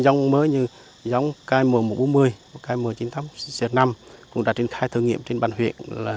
dòng mới như dòng cây mùa bốn mươi cây mùa chín mươi năm cũng đã triển khai thử nghiệm trên bàn huyện